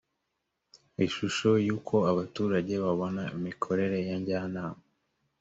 ishusho y’uko abaturage babona imikorere ya njyanama